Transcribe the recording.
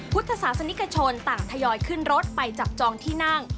พุทธศาสนิกชนต่างทยอยขึ้นรถไปจับจองที่นั่ง